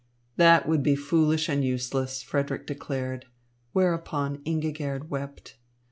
"That would be foolish and useless," Frederick declared; whereupon Ingigerd wept.